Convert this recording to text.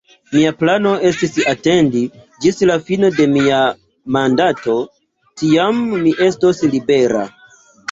Mia plano estis atendi ĝis la fino de mia mandato, tiam mi estos libera.